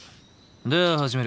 では始める。